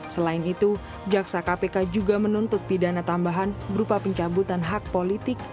selain itu jaksa kpk juga menuntut pidana tambahan berupa pencabutan hak politik